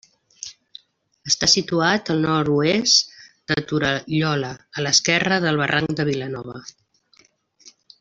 Està situat al nord-oest de Torallola, a l'esquerra del barranc de Vilanova.